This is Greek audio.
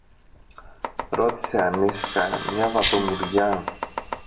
ρώτησε ανήσυχα μια βατομουριά.